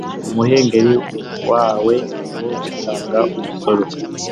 umuhengeri wawe wo gutanga umusoro